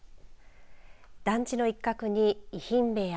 団地の一角に遺品部屋。